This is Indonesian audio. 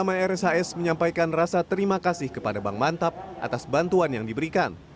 menyampaikan rasa terima kasih kepada bang mantap atas bantuan yang diberikan